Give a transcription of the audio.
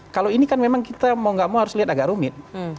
kalau ini kan memang kita mau gak mau harus lihat agak rumit